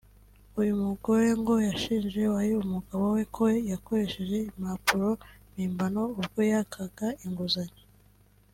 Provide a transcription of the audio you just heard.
uyu mugore ngo yashinje uwari umugabo we ko yakoresheje impapuro mpimbano ubwo yakaga inguzanyo